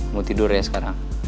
mau tidur ya sekarang